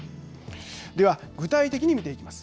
では具体的に見ていきます。